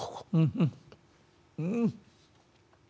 うん。